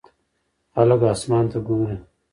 خلک اسمان ته ګوري.